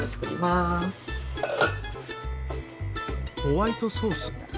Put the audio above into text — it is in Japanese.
ホワイトソース？